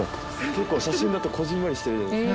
結構写真だとこぢんまりしてるじゃないですか。